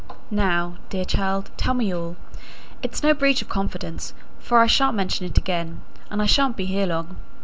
"Now, dear child, tell me all; it's no breach of confidence, for I shan't mention it again, and I shan't be here long.